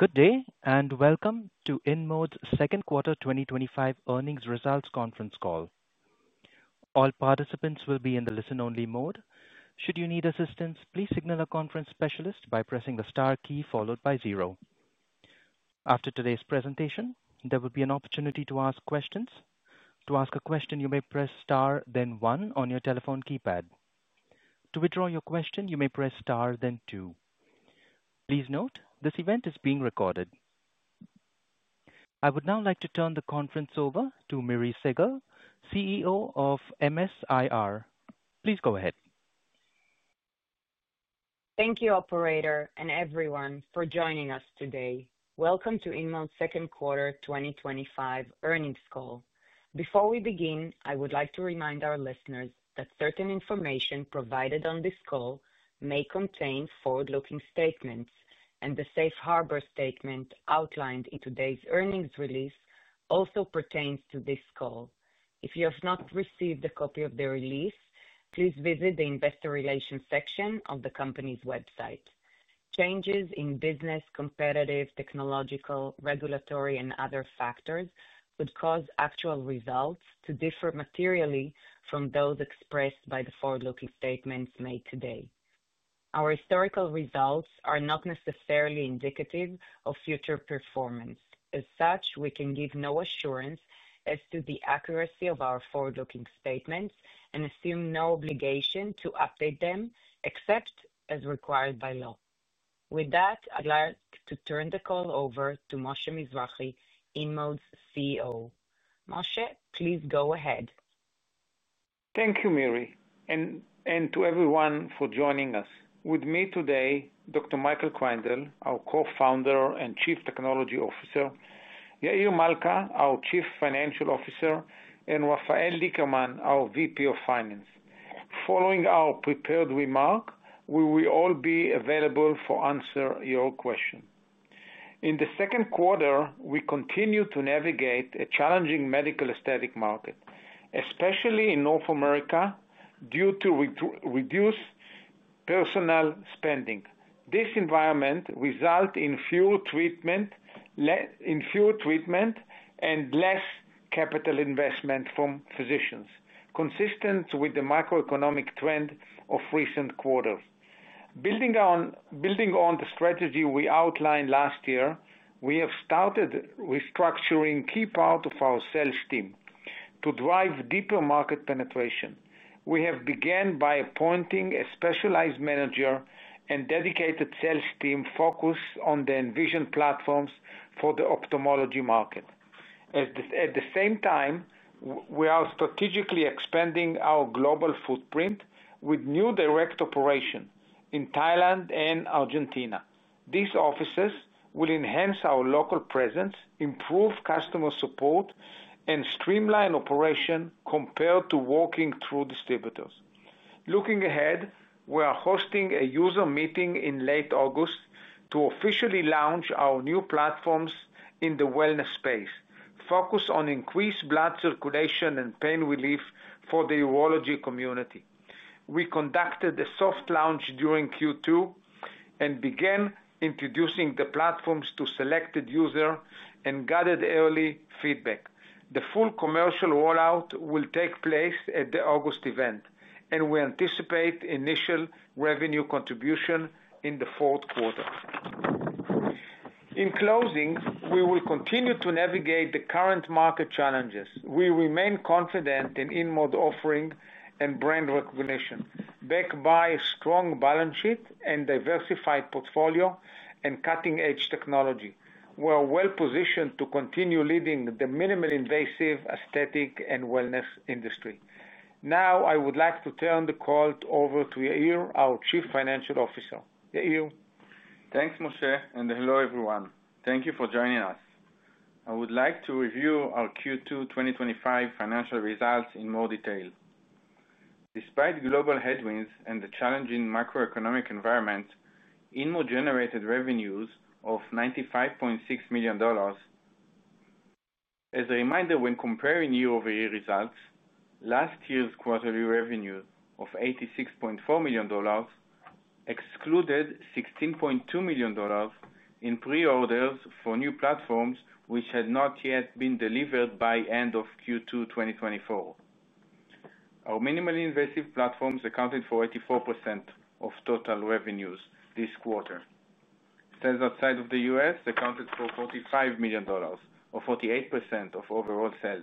Good day and welcome to InMode's second quarter 2025 earnings results conference call. All participants will be in the listen-only mode. Should you need assistance, please signal a conference specialist by pressing the star key followed by zero. After today's presentation, there will be an opportunity to ask questions. To ask a question, you may press star, then one on your telephone keypad. To withdraw your question, you may press star, then two. Please note, this event is being recorded. I would now like to turn the conference over to Miri Segal, CEO of MS-IR. Please go ahead. Thank you, operator, and everyone for joining us today. Welcome to InMode's second quarter 2025 earnings call. Before we begin, I would like to remind our listeners that certain information provided on this call may contain forward-looking statements, and the safe harbor statement outlined in today's earnings release also pertains to this call. If you have not received a copy of the release, please visit the investor relations section of the company's website. Changes in business, competitive, technological, regulatory, and other factors could cause actual results to differ materially from those expressed by the forward-looking statements made today. Our historical results are not necessarily indicative of future performance. As such, we can give no assurance as to the accuracy of our forward-looking statements and assume no obligation to update them except as required by law. With that, I'd like to turn the call over to Moshe Mizrahy, InMode's CEO. Moshe, please go ahead. Thank you, Miri, and to everyone for joining us. With me today, Dr. Michael Kreindel, our Co-Founder and Chief Technology Officer, Yair Malca, our Chief Financial Officer, and Rafael Lickerman, our VP of Finance. Following our prepared remarks, we will all be available to answer your questions. In the second quarter, we continue to navigate a challenging medical aesthetic market, especially in North America, due to reduced personal spending. This environment results in fewer treatments and less capital investment from physicians, consistent with the macroeconomic trend of recent quarters. Building on the strategy we outlined last year, we have started restructuring a key part of our sales team to drive deeper market penetration. We have begun by appointing a specialized manager and a dedicated sales team focused on the Envision platform for the ophthalmology market. At the same time, we are strategically expanding our global footprint with new direct operations in Thailand and Argentina. These offices will enhance our local presence, improve customer support, and streamline operations compared to working through distributors. Looking ahead, we are hosting a user meeting in late August to officially launch our new platforms in the wellness space, focused on increased blood circulation and pain relief for the urology community. We conducted a soft launch during Q2 and began introducing the platforms to selected users and gathered early feedback. The full commercial rollout will take place at the August event, and we anticipate initial revenue contributions in the fourth quarter. In closing, we will continue to navigate the current market challenges. We remain confident in InMode offering and brand recognition, backed by a strong balance sheet and diversified portfolio and cutting-edge technology. We are well positioned to continue leading the minimally invasive aesthetic and wellness industry. Now, I would like to turn the call over to Yair, our Chief Financial Officer. Yair. Thanks, Moshe, and hello, everyone. Thank you for joining us. I would like to review our Q2 2025 financial results in more detail. Despite global headwinds and the challenging macroeconomic environment, InMode generated revenues of $95.6 million. As a reminder, when comparing year-over-year results, last year's quarterly revenues of $86.4 million excluded $16.2 million in pre-orders for new platforms, which had not yet been delivered by the end of Q2 2024. Our minimally invasive platforms accounted for 84% of total revenues this quarter. Sales outside of the U.S. accounted for $45 million, or 48% of overall sales,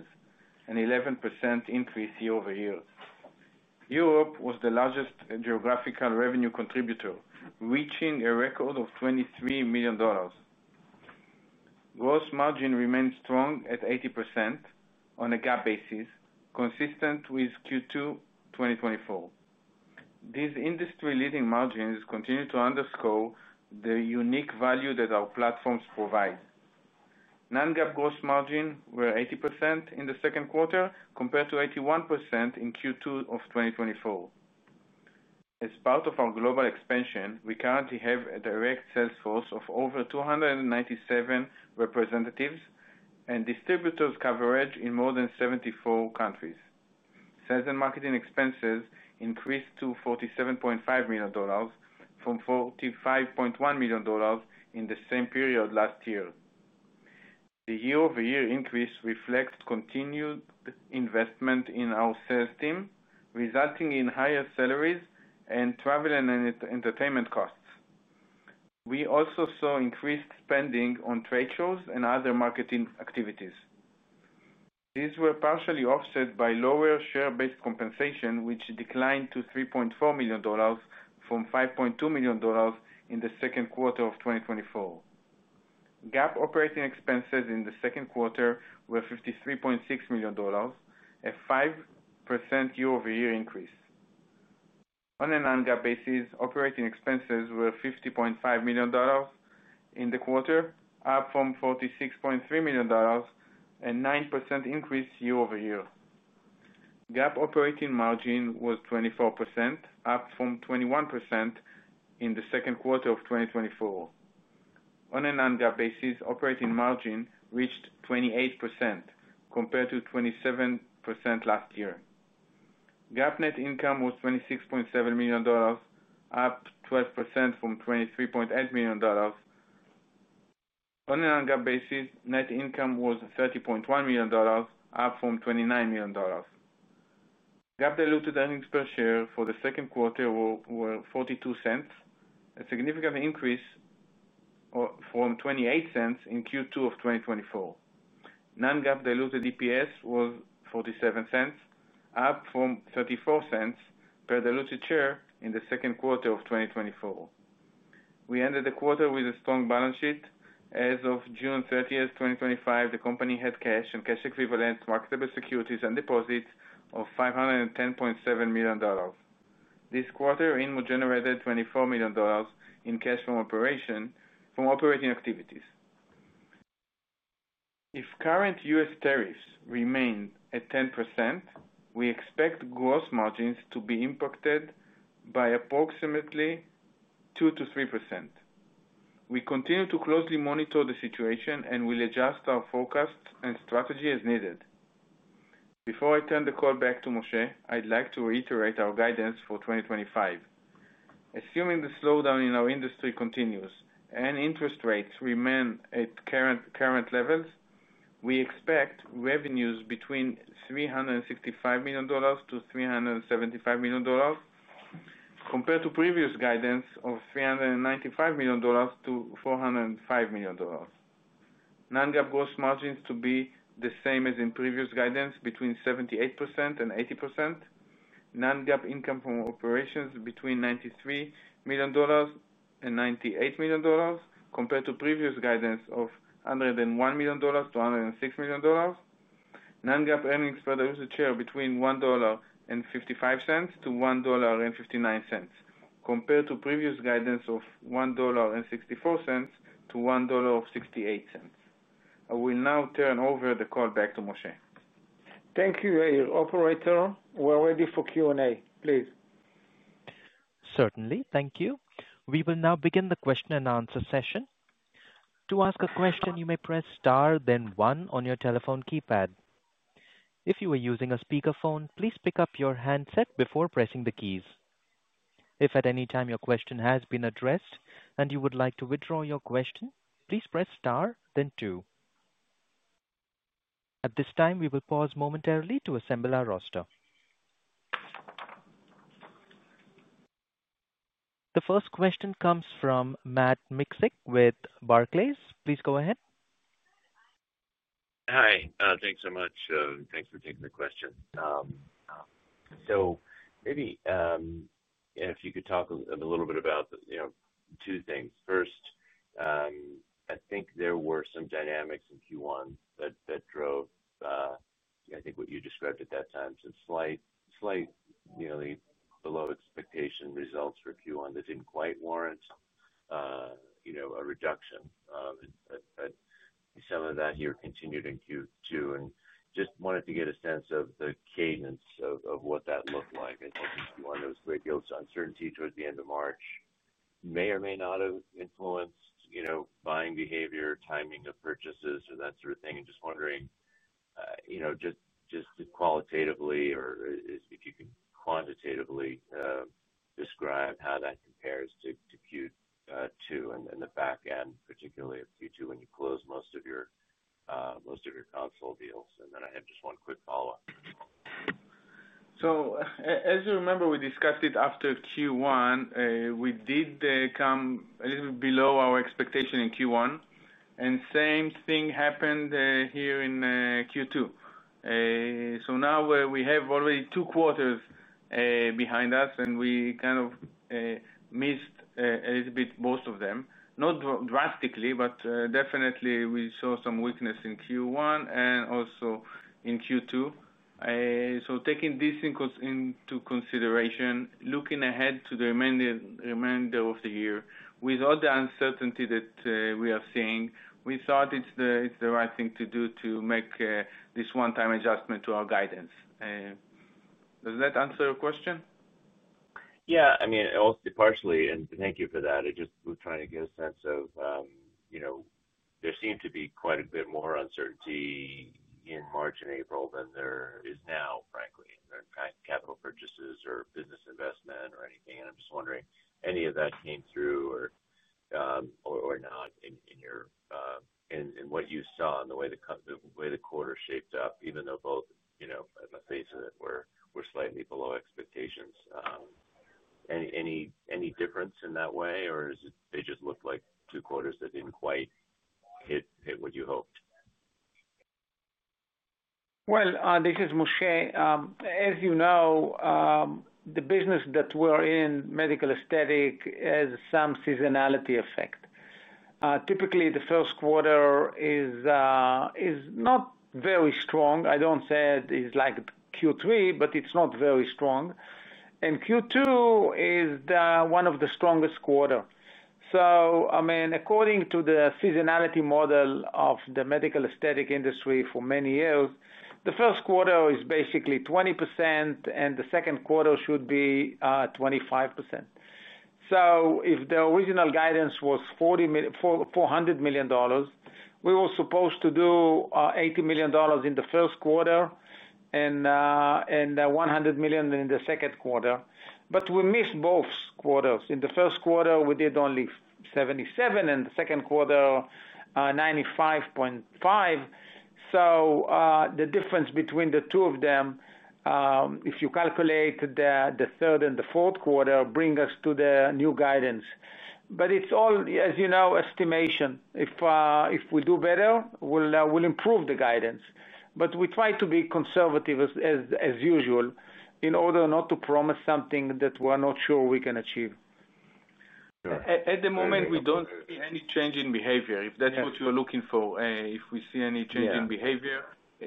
an 11% increase year-over-year. Europe was the largest geographical revenue contributor, reaching a record of $23 million. Gross margin remained strong at 80% on a GAAP basis, consistent with Q2 2024. These industry-leading margins continue to underscore the unique value that our platforms provide. Non-GAAP gross margins were 80% in the second quarter compared to 81% in Q2 of 2024. As part of our global expansion, we currently have a direct sales force of over 297 representatives and distributors' coverage in more than 74 countries. Sales and marketing expenses increased to $47.5 million from $45.1 million in the same period last year. The year-over-year increase reflects continued investment in our sales team, resulting in higher salaries and travel and entertainment costs. We also saw increased spending on trade shows and other marketing activities. These were partially offset by lower share-based compensation, which declined to $3.4 million from $5.2 million in the second quarter of 2024. GAAP operating expenses in the second quarter were $53.6 million, a 5% year-over-year increase. On a non-GAAP basis, operating expenses were $50.5 million in the quarter, up from $46.3 million, a 9% increase year-over-year. GAAP operating margin was 24%, up from 21% in the second quarter of 2024. On a non-GAAP basis, operating margin reached 28% compared to 27% last year. GAAP net income was $26.7 million, up 12% from $23.8 million. On a non-GAAP basis, net income was $30.1 million, up from $29 million. GAAP diluted earnings per share for the second quarter were $0.42, a significant increase from $0.28 in Q2 of 2024. Non-GAAP diluted EPS was $0.47, up from $0.34 per diluted share in the second quarter of 2024. We ended the quarter with a strong balance sheet. As of June 30th, 2025, the company had cash and cash equivalents, marketable securities, and deposits of $510.7 million. This quarter, InMode generated $24 million in cash from operating activities. If current U.S. tariffs remain at 10%, we expect gross margins to be impacted by approximately 2%-3%. We continue to closely monitor the situation and will adjust our forecasts and strategy as needed. Before I turn the call back to Moshe, I'd like to reiterate our guidance for 2025. Assuming the slowdown in our industry continues and interest rates remain at current levels, we expect revenues between $365 million-$375 million, compared to previous guidance of $395 million-$405 million. Non-GAAP gross margins to be the same as in previous guidance, between 78% and 80%. Non-GAAP income from operations between $93 million and $98 million, compared to previous guidance of $101 million-$106 million. Non-GAAP earnings per diluted share between $1.55-$1.59, compared to previous guidance of $1.64-$1.68. I will now turn over the call back to Moshe. Thank you, Yair. Operator, we're ready for Q&A. Please. Certainly, thank you. We will now begin the question and answer session. To ask a question, you may press star, then one on your telephone keypad. If you are using a speakerphone, please pick up your handset before pressing the keys. If at any time your question has been addressed and you would like to withdraw your question, please press star, then two. At this time, we will pause momentarily to assemble our roster. The first question comes from Matt Miksic with Barclays. Please go ahead. Hi, thanks so much. Thanks for taking the question. Maybe if you could talk a little bit about two things. First, I think there were some dynamics in Q1 that drove, I think what you described at that time, some slightly below expectation results for Q1 that didn't quite warrant a reduction. Some of that here continued in Q2. I just wanted to get a sense of the cadence of what that looked like. I think Q1 was a great deal of uncertainty toward the end of March. It may or may not have influenced buying behavior, timing of purchases, or that sort of thing. I'm just wondering, you know, just qualitatively, or if you can quantitatively describe how that compares to Q2 and the back end, particularly at Q2 when you close most of your console deals. I have just one quick follow-up. As you remember, we discussed it after Q1. We did come a little bit below our expectation in Q1, and the same thing happened here in Q2. Now we have already two quarters behind us, and we kind of missed a little bit most of them. Not drastically, but definitely we saw some weakness in Q1 and also in Q2. Taking this into consideration, looking ahead to the remainder of the year, with all the uncertainty that we are seeing, we thought it's the right thing to do to make this one-time adjustment to our guidance. Does that answer your question? Yeah, I mean, partially, thank you for that. I just was trying to get a sense of, you know, there seemed to be quite a bit more uncertainty in March and April than there is now, frankly, in capital purchases or business investment or anything. I'm just wondering if any of that came through or not in what you saw and the way the quarter shaped up, even though both, you know, in the face of it, were slightly below expectations. Any difference in that way, or does it just look like two quarters that didn't quite hit what you hoped? This is Moshe. As you know, the business that we're in, medical aesthetic, has some seasonality effect. Typically, the first quarter is not very strong. I don't say it's like Q3, but it's not very strong. Q2 is one of the strongest quarters. According to the seasonality model of the medical aesthetic industry for many years, the first quarter is basically 20%, and the second quarter should be 25%. If the original guidance was $400 million, we were supposed to do $80 million in the first quarter and $100 million in the second quarter. We missed both quarters. In the first quarter, we did only $77 million, and the second quarter, $95.5 million. The difference between the two of them, if you calculate the third and the fourth quarter, brings us to the new guidance. It's all, as you know, estimation. If we do better, we'll improve the guidance. We try to be conservative as usual in order not to promise something that we're not sure we can achieve. At the moment, we don't see any change in behavior, if that's what you're looking for. If we see any change in behavior, the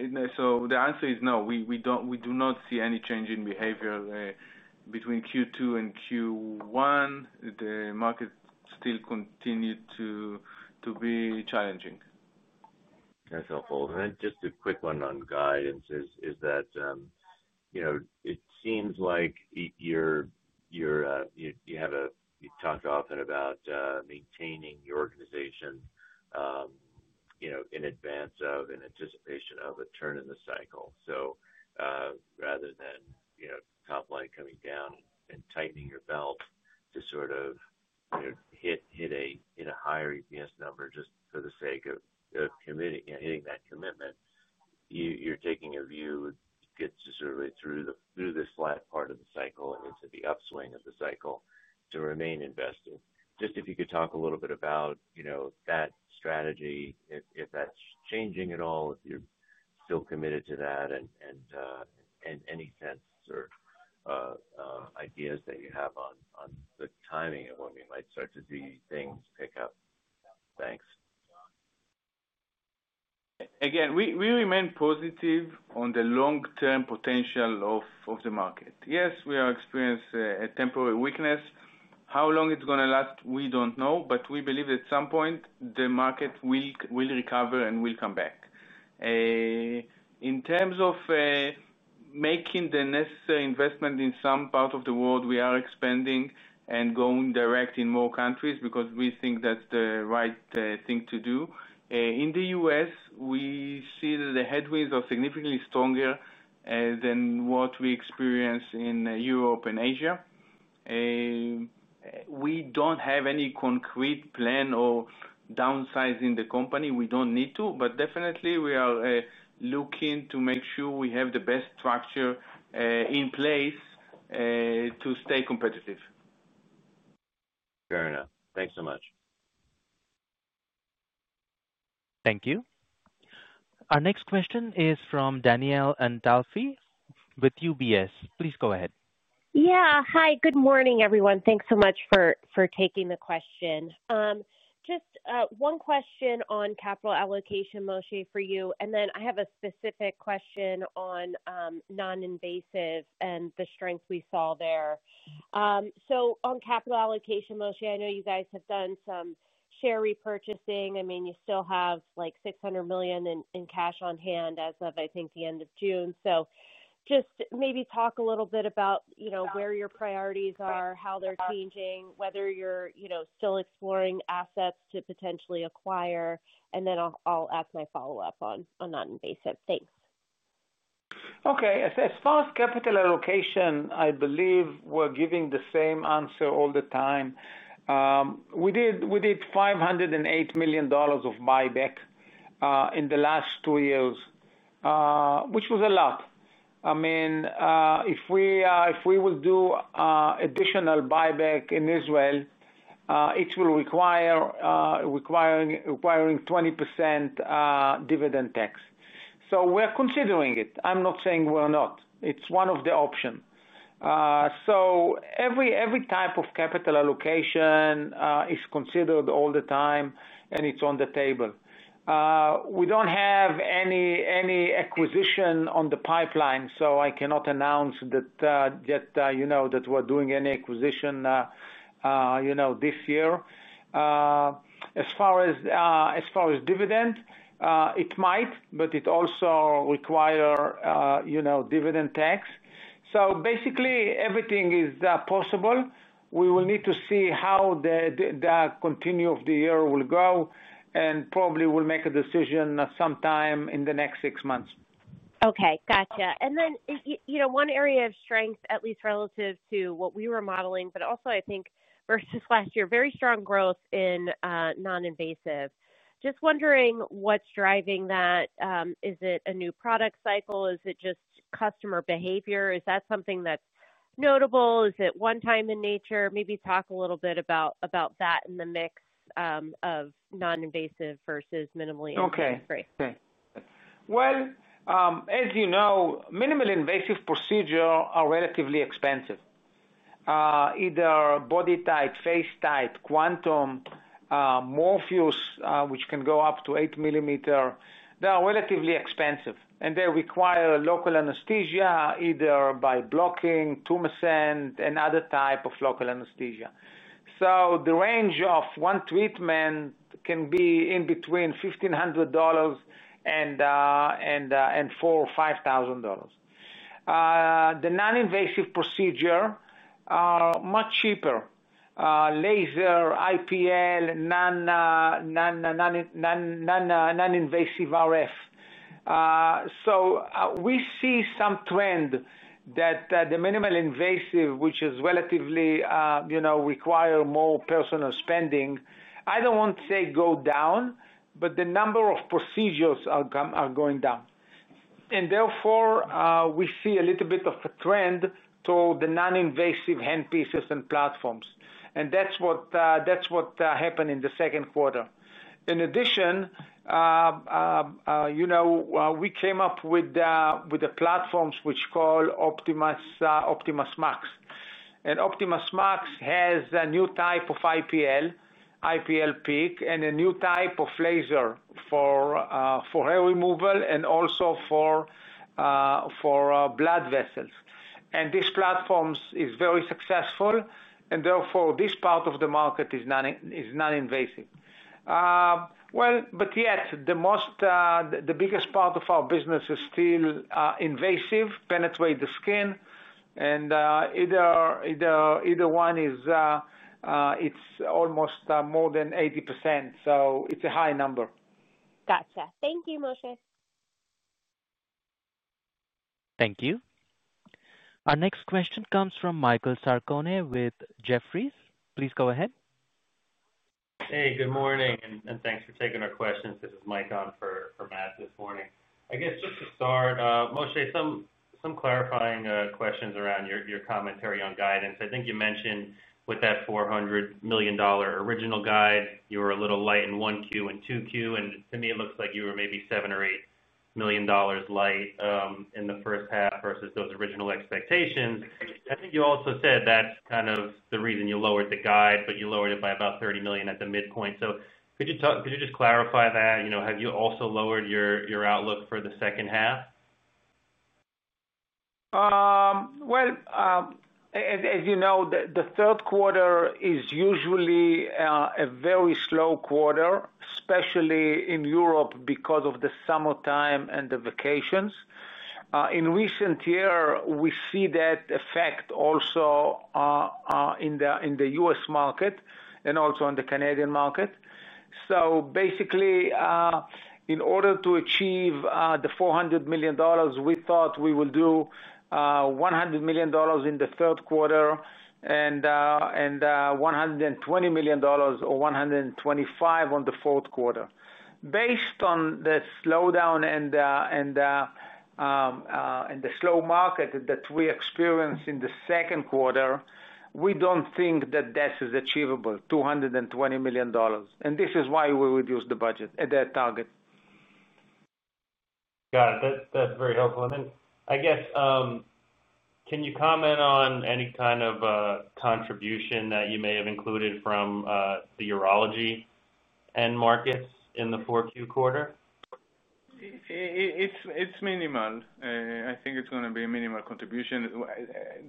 answer is no. We do not see any change in behavior between Q2 and Q1. The market still continues to be challenging. That's helpful. Just a quick one on guidance. It seems like you talked often about maintaining your organization in advance of and in anticipation of a turn in the cycle. Rather than top line coming down and tightening your belt to sort of hit a higher EPS number just for the sake of hitting that commitment, you're taking a view that gets you through this flat part of the cycle and into the upswing of the cycle to remain invested. If you could talk a little bit about that strategy, if that's changing at all, if you're still committed to that, and any sense or ideas that you have on the timing of when we might start to see things pick up. Thanks. Again, we remain positive on the long-term potential of the market. Yes, we are experiencing a temporary weakness. How long it's going to last, we don't know, but we believe at some point the market will recover and will come back. In terms of making the necessary investment in some part of the world, we are expanding and going direct in more countries because we think that's the right thing to do. In the U.S., we see that the headwinds are significantly stronger than what we experience in Europe and Asia. We don't have any concrete plan or downsizing the company. We don't need to, but definitely we are looking to make sure we have the best structure in place to stay competitive. Fair enough. Thanks so much. Thank you. Our next question is from Danielle Antalffy with UBS. Please go ahead. Yeah, hi. Good morning, everyone. Thanks so much for taking the question. Just one question on capital allocation, Moshe, for you. I have a specific question on non-invasive and the strength we saw there. On capital allocation, Moshe, I know you guys have done some share repurchasing. You still have like $600 million in cash on hand as of, I think, the end of June. Maybe talk a little bit about where your priorities are, how they're changing, whether you're still exploring assets to potentially acquire. I'll ask my follow-up on non-invasive. Thanks. Okay. As far as capital allocation, I believe we're giving the same answer all the time. We did $508 million of buyback in the last two years, which was a lot. I mean, if we will do additional buyback in Israel, it will require 20% dividend tax. We're considering it. I'm not saying we're not. It's one of the options. Every type of capital allocation is considered all the time, and it's on the table. We don't have any acquisition on the pipeline, so I cannot announce that you know that we're doing any acquisition this year. As far as dividend, it might, but it also requires dividend tax. Basically, everything is possible. We will need to see how the continue of the year will go, and probably we'll make a decision sometime in the next six months. Okay, gotcha. One area of strength, at least relative to what we were modeling, but also I think versus last year, very strong growth in non-invasive. Just wondering what's driving that. Is it a new product cycle? Is it just customer behavior? Is that something that's notable? Is it one-time in nature? Maybe talk a little bit about that in the mix of non-invasive versus minimally invasive. As you know, minimally invasive procedures are relatively expensive. Either BodyTite, FaceTite, Quantum, Morpheus, which can go up to 8 ml, they are relatively expensive. They require local anesthesia, either by blocking, tumescent, and other types of local anesthesia. The range of one treatment can be between $1,500 and $4,000 or $5,000. The non-invasive procedures are much cheaper: laser, IPL, non-invasive RF. We see some trend that the minimally invasive, which is relatively, you know, requires more personal spending, I don't want to say go down, but the number of procedures are going down. Therefore, we see a little bit of a trend toward the non-invasive handpieces and platforms. That's what happened in the second quarter. In addition, we came up with the platforms which are called Optimus Max. Optimus Max has a new type of IPL, IPL Peak, and a new type of laser for hair removal and also for blood vessels. This platform is very successful, and therefore, this part of the market is non-invasive. Yet, the biggest part of our business is still invasive, penetrating the skin, and either one is almost more than 80%. It's a high number. Gotcha. Thank you, Moshe. Thank you. Our next question comes from Michael Sarcone with Jefferies. Please go ahead. Hey, good morning, and thanks for taking our questions. This is Mike on for Matt this morning. I guess just to start, Moshe, some clarifying questions around your commentary on guidance. I think you mentioned with that $400 million original guide, you were a little light in 1Q and 2Q, and to me, it looks like you were maybe $7 or $8 million light in the first half versus those original expectations. I think you also said that's kind of the reason you lowered the guide, but you lowered it by about $30 million at the midpoint. Could you just clarify that? Have you also lowered your outlook for the second half? As you know, the third quarter is usually a very slow quarter, especially in Europe because of the summertime and the vacations. In recent years, we see that effect also in the U.S. market and also in the Canadian market. Basically, in order to achieve the $400 million, we thought we will do $100 million in the third quarter and $120 million or $125 million in the fourth quarter. Based on the slowdown and the slow market that we experienced in the second quarter, we don't think that that is achievable, $220 million. This is why we reduced the budget at that target. Got it. That's very helpful. Can you comment on any kind of contribution that you may have included from the urology end markets in the 4Q quarter? It's minimal. I think it's going to be a minimal contribution.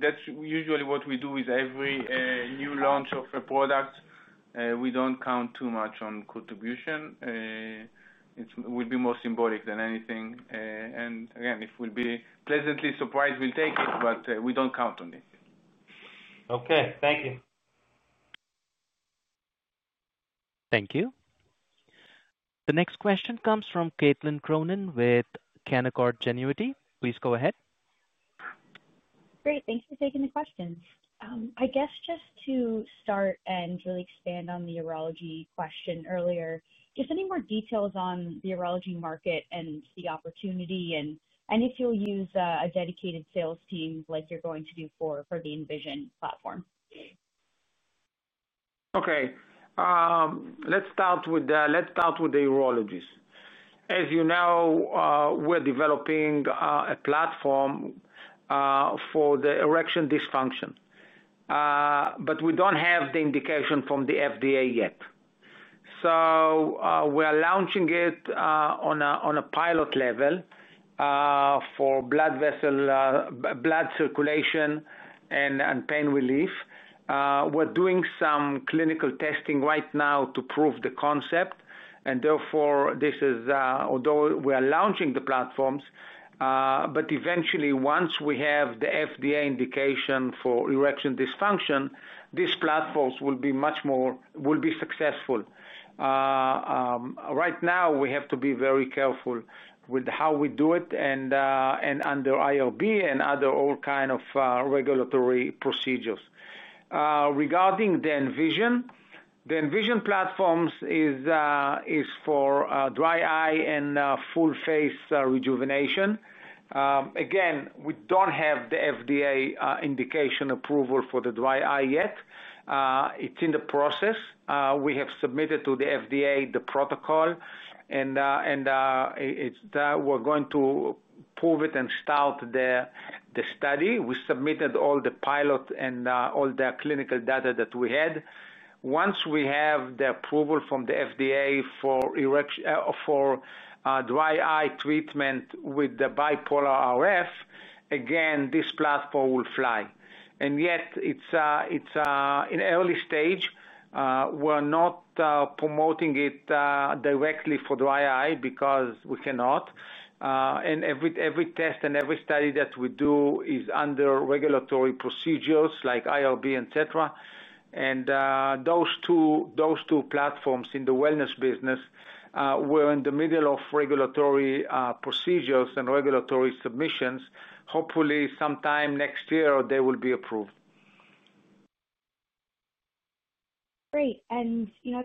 That's usually what we do is every new launch of a product. We don't count too much on contribution. It would be more symbolic than anything. If we'll be pleasantly surprised, we'll take it, but we don't count on it. Okay, thank you. Thank you. The next question comes from Caitlin Cronin with Canaccord Genuity. Please go ahead. Great. Thanks for taking the questions. I guess just to start and really expand on the urology question earlier, just any more details on the urology market and the opportunity and if you'll use a dedicated sales team like you're going to do for the Envision platform. Okay. Let's start with the urologists. As you know, we're developing a platform for the erectile dysfunction, but we don't have the indication from the FDA yet. We are launching it on a pilot level for blood circulation and pain relief. We're doing some clinical testing right now to prove the concept. Therefore, although we are launching the platforms, eventually, once we have the FDA indication for erectile dysfunction, these platforms will be much more successful. Right now, we have to be very careful with how we do it and under IRB and all kinds of regulatory procedures. Regarding the Envision, the Envision platform is for dry eye and full face rejuvenation. Again, we don't have the FDA indication approval for the dry eye yet. It's in the process. We have submitted to the FDA the protocol, and we're going to pull it and start the study. We submitted all the pilot and all the clinical data that we had. Once we have the approval from the FDA for dry eye treatment with the bipolar RF, this platform will fly. Yet, it's in early stage. We're not promoting it directly for dry eye because we cannot. Every test and every study that we do is under regulatory procedures like IRB, etc. Those two platforms in the wellness business, we're in the middle of regulatory procedures and regulatory submissions. Hopefully, sometime next year, they will be approved. Great. I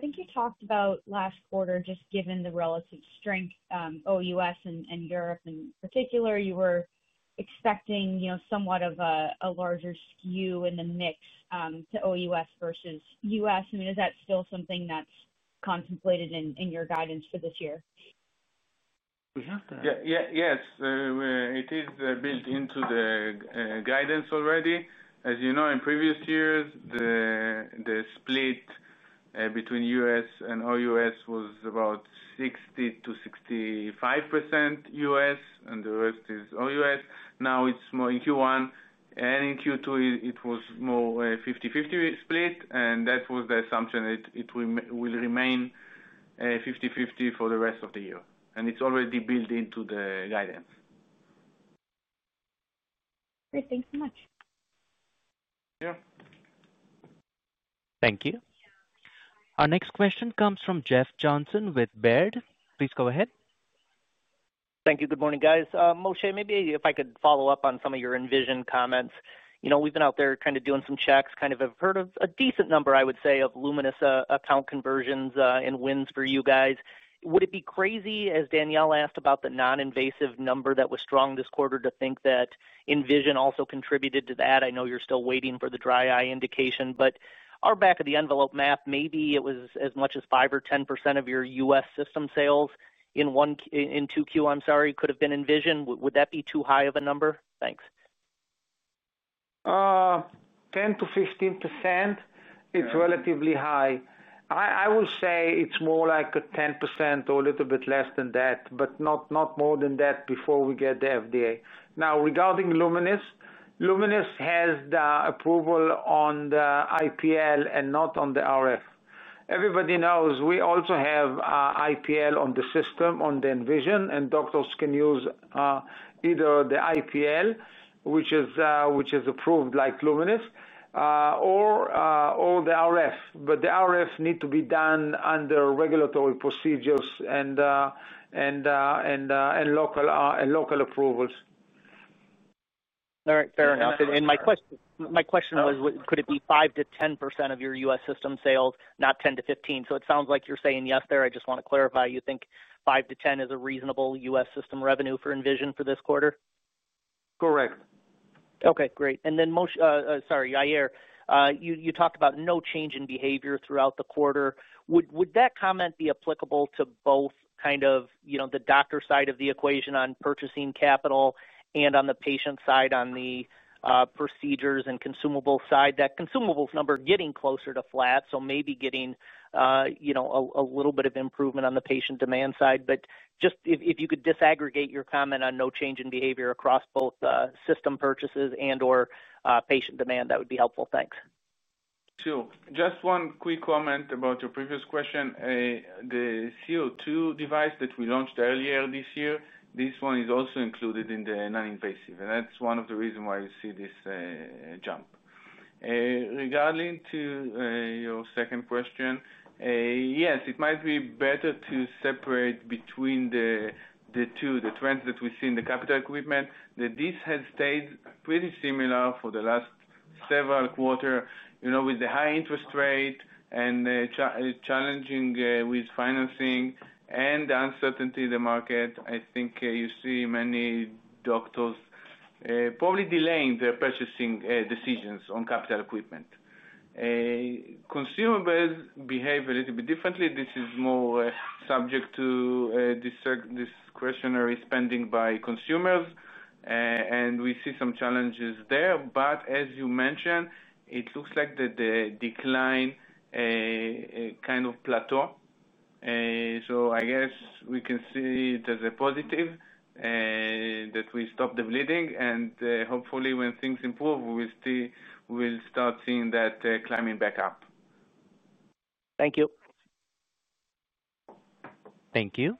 think you talked about last quarter, just given the relative strength OUS and Europe in particular, you were expecting somewhat of a larger skew in the mix to OUS versus U.S. Is that still something that's contemplated in your guidance for this year? Yes, it is built into the guidance already. As you know, in previous years, the split between U.S. and OUS was about 60%-65% U.S., and the rest is OUS. Now it's more in Q1. In Q2, it was more 50/50 split, and that was the assumption that it will remain 50/50 for the rest of the year. It's already built into the guidance. Great. Thanks so much. Yeah. Thank you. Our next question comes from Jeff Johnson with Baird. Please go ahead. Thank you. Good morning, guys. Moshe, maybe if I could follow up on some of your Envision comments. You know, we've been out there doing some checks, have heard of a decent number, I would say, of Lumenis account conversions and wins for you guys. Would it be crazy, as Danielle asked about the non-invasive number that was strong this quarter, to think that Envision also contributed to that? I know you're still waiting for the dry eye indication, but our back-of-the-envelope math, maybe it was as much as 5% or 10% of your U.S. system sales in Q2, I'm sorry, could have been Envision. Would that be too high of a number? Thanks. 10%-15%, it's relatively high. I would say it's more like 10% or a little bit less than that, but not more than that before we get the FDA. Now, regarding Lumenis, Lumenis has the approval on the IPL and not on the RF. Everybody knows we also have IPL on the system, on the Envision, and doctors can use either the IPL, which is approved like Lumenis, or the RF. The RF needs to be done under regulatory procedures and local approvals. All right, fair enough. My question was, could it be 5%-10% of your U.S. system sales, not 10%-5%? It sounds like you're saying yes there. I just want to clarify, you think 5%-10% is a reasonable U.S. system revenue for Envision for this quarter? Correct. Okay, great. Moshe, sorry, Yair, you talked about no change in behavior throughout the quarter. Would that comment be applicable to both the doctor side of the equation on purchasing capital and on the patient side on the procedures and consumables side? That consumables number getting closer to flat, maybe getting a little bit of improvement on the patient demand side. If you could disaggregate your comment on no change in behavior across both system purchases and/or patient demand, that would be helpful. Thanks. Sure. Just one quick comment about your previous question. The CO2 device that we launched earlier this year, this one is also included in the non-invasive, and that's one of the reasons why we see this jump. Regarding your second question, yes, it might be better to separate between the two, the trends that we see in the capital equipment, that this has stayed pretty similar for the last several quarters, you know, with the high interest rate and challenging with financing and the uncertainty in the market. I think you see many doctors probably delaying their purchasing decisions on capital equipment. Consumables behave a little bit differently. This is more subject to discretionary spending by consumers, and we see some challenges there. As you mentioned, it looks like the decline kind of plateaued. I guess we can see it as a positive that we stopped the bleeding, and hopefully, when things improve, we'll start seeing that climbing back up. Thank you. Thank you.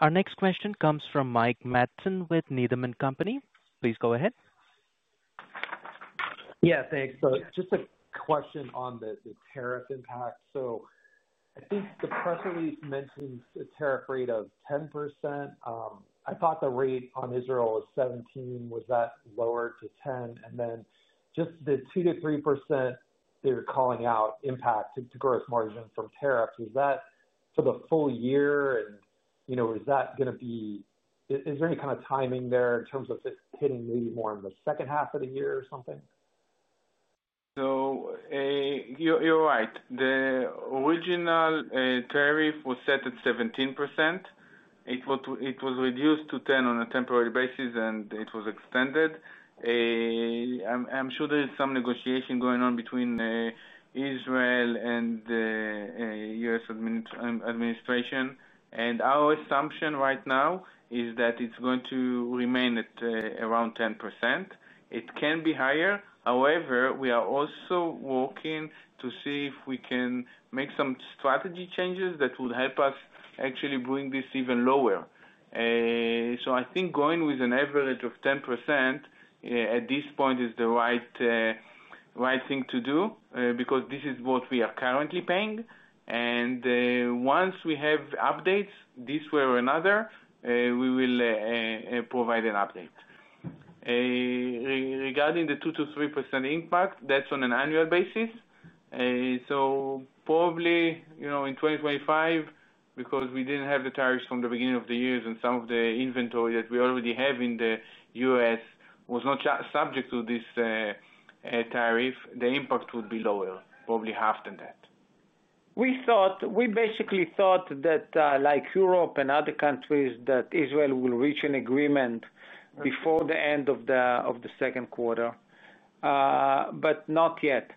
Our next question comes from Mike Matson with Needham & Company. Please go ahead. Yeah, thanks. Just a question on the tariff impact. I think the press release mentions a tariff rate of 10%. I thought the rate on Israel was 17%. Was that lowered to 10%? The 2% to 3% they were calling out impact to gross margin from tariffs, is that for the full year? Is that going to be, is there any kind of timing there in terms of hitting maybe more in the second half of the year or something? You're right. The original tariff was set at 17%. It was reduced to 10% on a temporary basis, and it was extended. I'm sure there is some negotiation going on between Israel and the U.S. administration. Our assumption right now is that it's going to remain at around 10%. It can be higher. However, we are also working to see if we can make some strategy changes that would help us actually bring this even lower. I think going with an average of 10% at this point is the right thing to do because this is what we are currently paying. Once we have updates this way or another, we will provide an update. Regarding the 2%-3% impact, that's on an annual basis. Probably, in 2025, because we didn't have the tariffs from the beginning of the year and some of the inventory that we already have in the U.S. was not subject to this tariff, the impact would be lower, probably half than that. We basically thought that, like Europe and other countries, Israel will reach an agreement before the end of the second quarter, but not yet.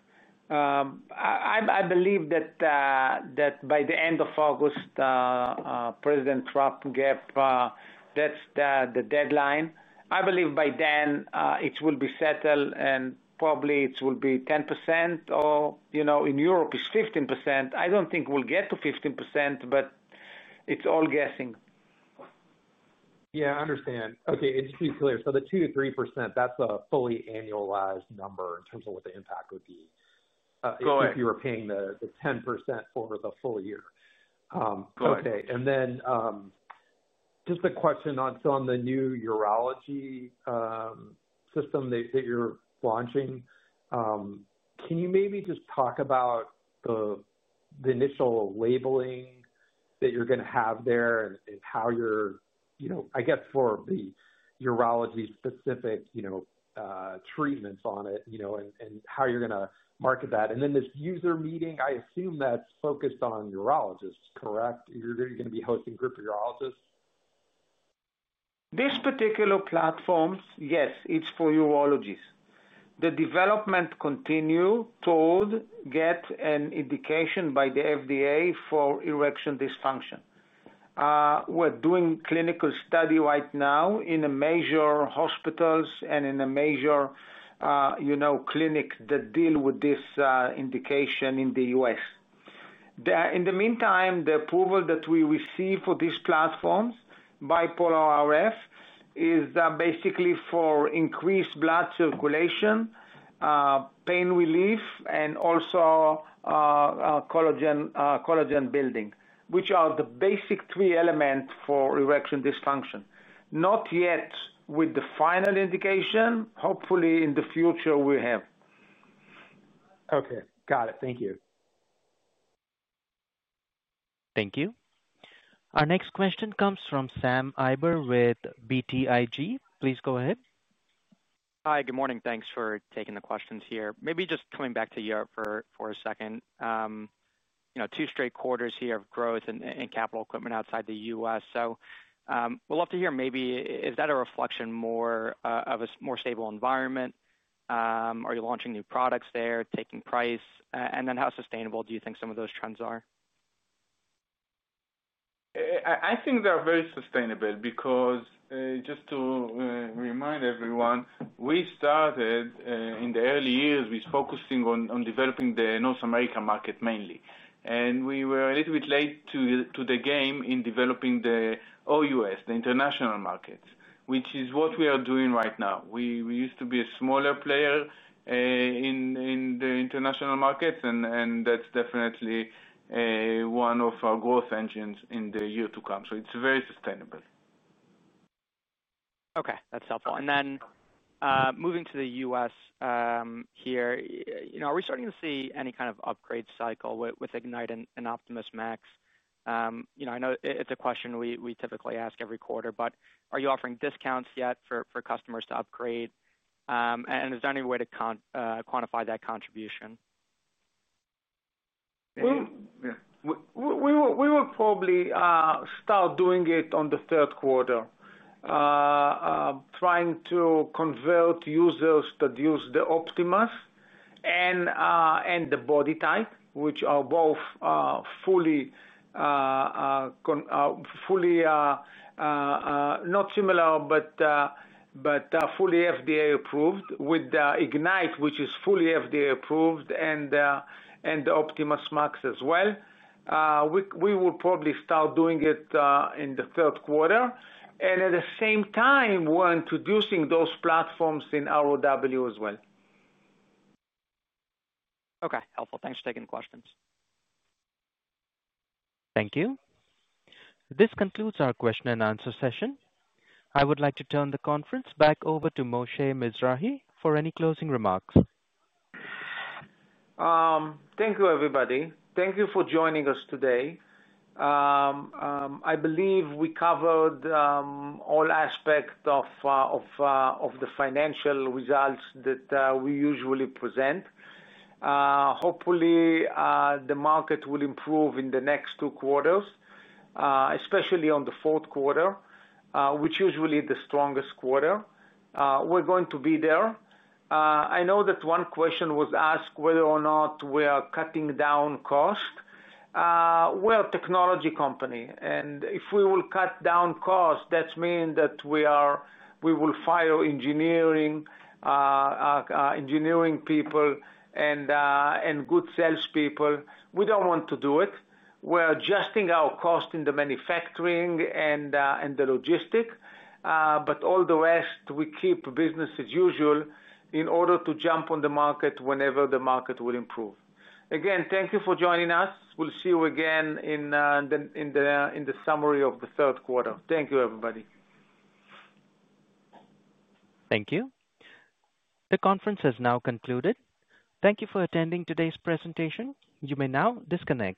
I believe that by the end of August, President Trump gave the deadline. I believe by then, it will be settled and probably it will be 10% or, in Europe it's 15%. I don't think we'll get to 15%, but it's all guessing. Yeah, I understand. Okay, and just to be clear, the 2%-3%, that's a fully annualized number in terms of what the impact would be if you were paying the 10% for the full year. Okay. Just a question on the new urology system that you're launching. Can you maybe just talk about the initial labeling that you're going to have there and how you're, I guess for the urology-specific treatments on it, and how you're going to market that. This user meeting, I assume that's focused on urologists, correct? You're going to be hosting a group of urologists? This particular platform, yes, it's for urologists. The development continues toward getting an indication by the FDA for erectile dysfunction. We're doing clinical studies right now in major hospitals and in a major clinic that deals with this indication in the U.S. In the meantime, the approval that we receive for these platforms, bipolar RF, is basically for increased blood circulation, pain relief, and also collagen building, which are the basic three elements for erectile dysfunction. Not yet with the final indication. Hopefully, in the future, we'll have. Okay. Got it. Thank you. Thank you. Our next question comes from Sam Eiber with BTIG. Please go ahead. Hi, good morning. Thanks for taking the questions here. Maybe just coming back to Europe for a second. You know, two straight quarters here of growth in capital equipment outside the U.S. We'd love to hear maybe is that a reflection more of a more stable environment? Are you launching new products there, taking price? How sustainable do you think some of those trends are? I think they're very sustainable because, just to remind everyone, we started in the early years with focusing on developing the North American market mainly. We were a little bit late to the game in developing the OUS, the international markets, which is what we are doing right now. We used to be a smaller player in the international markets, and that's definitely one of our growth engines in the year to come. It's very sustainable. Okay, that's helpful. Moving to the U.S. here, you know, are we starting to see any kind of upgrade cycle with Ignite and Optimus Max? I know it's a question we typically ask every quarter, but are you offering discounts yet for customers to upgrade? Is there any way to quantify that contribution? We will probably start doing it in the third quarter, trying to convert users that use the Optimus and the BodyTite, which are both fully, not similar, but fully FDA approved, with the Ignite, which is fully FDA approved, and the Optimus Max as well. We will probably start doing it in the third quarter. At the same time, we're introducing those platforms in ROW as well. Okay, helpful. Thanks for taking the questions. Thank you. This concludes our question and answer session. I would like to turn the conference back over to Moshe Mizrahy for any closing remarks. Thank you, everybody. Thank you for joining us today. I believe we covered all aspects of the financial results that we usually present. Hopefully, the market will improve in the next two quarters, especially in the fourth quarter, which is usually the strongest quarter. We are going to be there. I know that one question was asked whether or not we are cutting down cost. We are a technology company, and if we will cut down costs, that means that we will fire engineering people and good salespeople. We do not want to do it. We are adjusting our costs in the manufacturing and the logistics, but all the rest, we keep business as usual in order to jump on the market whenever the market will improve. Again, thank you for joining us. We will see you again in the summary of the third quarter. Thank you, everybody. Thank you. The conference has now concluded. Thank you for attending today's presentation. You may now disconnect.